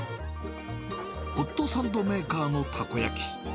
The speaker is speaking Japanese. ホットサンドメーカーのたこ焼き。